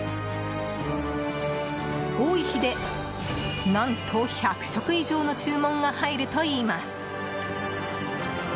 多い日で、何と１００食以上の注文が入るといいます。